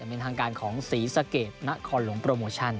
เป็นทางการของศรีสะเกดนครหลวงโปรโมชั่น